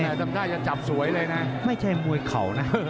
แต่ทำท่าจะจับสวยเลยนะไม่ใช่มวยเข่านะ